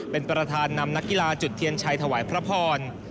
เป็นประธานนำนักกีฬาจุดเทียนชัยถวายพระพร